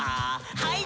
はい。